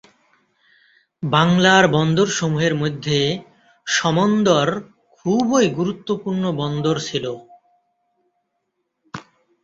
বাংলার বন্দরসমূহের মধ্যে সমন্দর খুবই গুরুত্বপূর্ণ বন্দর ছিল।